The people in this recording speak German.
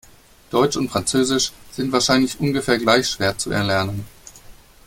Deutsch und Französisch sind wahrscheinlich ungefähr gleich schwer zu erlernen.